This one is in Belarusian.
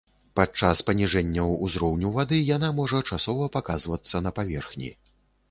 Падчас паніжэнняў узроўню вады яна можа часова паказвацца на паверхні.